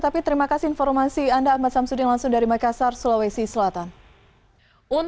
tapi terima kasih informasi anda ahmad samsudin langsung dari makassar sulawesi selatan